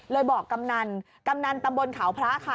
บอกกำนันกำนันตำบลเขาพระค่ะ